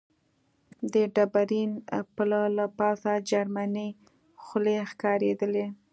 د ډبرین پله له پاسه جرمنۍ خولۍ ښکارېدلې.